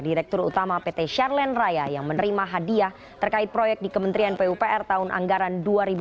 direktur utama pt sharlen raya yang menerima hadiah terkait proyek di kementerian pupr tahun anggaran dua ribu dua puluh